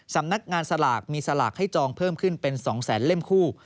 สำนักงานสลากมีสลากให้จองเพิ่มขึ้นเป็น๒แสนเล่มคู่